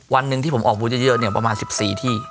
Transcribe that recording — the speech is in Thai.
วันหนึ่งที่ผมออกบูธเยอะเนี่ยประมาณ๑๔ที่